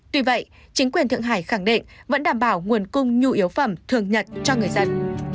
tuy vậy chính quyền thượng hải khẳng định vẫn đảm bảo nguồn cung nhu yếu phẩm thường nhật cho người dân